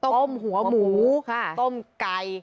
ต้มหัวหมูต้มไก่